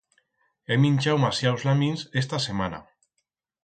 He minchau masiaus lamins esta semana.